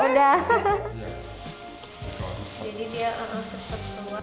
jadi dia harus sepatu